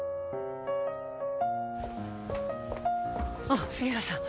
あぁ杉浦さん